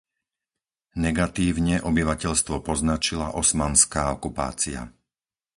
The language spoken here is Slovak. Negatívne obyvateľstvo poznačila osmanská okupácia